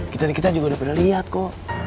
kita kita juga udah pada lihat kok